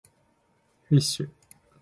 fish